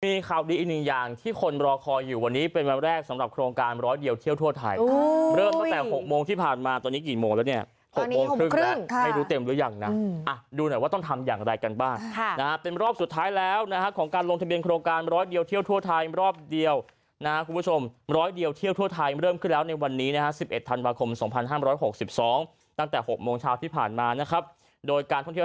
มีข่าวดีอีกหนึ่งอย่างที่คนรอคอยอยู่วันนี้เป็นวันแรกสำหรับโครงการมร้อยเดียวเที่ยวทั่วไทย